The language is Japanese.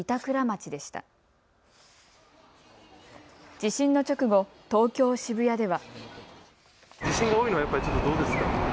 地震の直後、東京渋谷では。